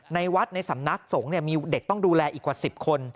ในวัดในสำนักสงฆ์มีเด็กต้องดูแลอีกกว่า๑๐คน